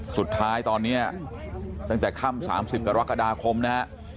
สุดท้ายตอนนี้ตั้งแต่ค่ำ๓๐กรกฎาคมนะฮะ